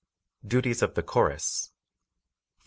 Duties of the Chorus 4.